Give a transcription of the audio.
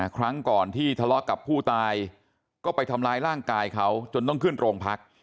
ครั้งก่อนที่ทะเลาะกับผู้ตายก็ไปทำร้ายร่างกายเขาจนต้องขึ้นโรงพัก